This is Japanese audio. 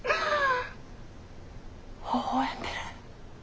ほほ笑んでる。